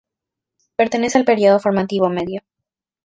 Pertenece al periodo Formativo Medio.